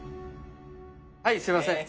はいすいません